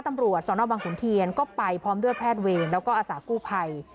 ตำรวจสนบังขุนเทียนก็ไปพร้อมด้วยแพทย์เวรแล้วก็อาสากู้ภัย